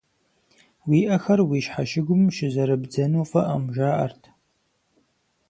Уи ӏэхэр уи щхьэщыгум щызэрыбдзэну фӏыкъым жаӏэрт.